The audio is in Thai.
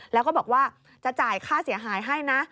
แล้วก็บอกว่าจะจ่ายค่าเสียหายให้นะ